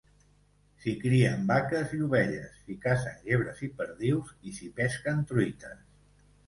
S'hi crien vaques i ovelles, s'hi cacen llebres i perdius i s'hi pesquen truites.